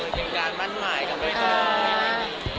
มันเป็นการมั่นหมายกันไปกัน